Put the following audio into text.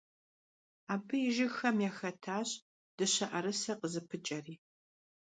Абы и жыгхэм яхэтащ дыщэӀэрысэ къызыпыкӀэри.